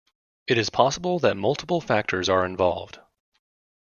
It is possible that multiple factors are involved.